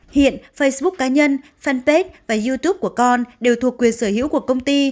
hiện facebook cá nhân fanpage và youtube của con đều thuộc quyền sở hữu của công ty